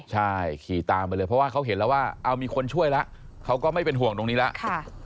ใช่ขี่ตามไปเลยเพราะว่าเขาเห็นแล้วว่าเอามีคนช่วยแล้วเขาก็ไม่เป็นห่วงตรงนี้แล้ว